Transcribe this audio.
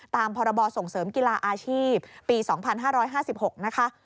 ตามพรบส่งเสริมกีฬาอาชีพปี๒๕๕๖นะคะ